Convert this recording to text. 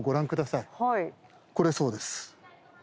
これそうです。